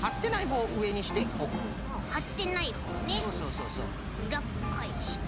うらっかえして。